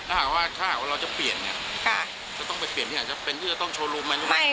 ถ้าหากว่าเราจะเปลี่ยนเนี่ยจะต้องไปเปลี่ยนที่อาจจะเป็นที่จะต้องโชว์รูมไหม